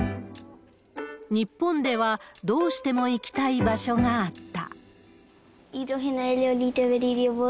日本では、どうしても行きたい場所があった。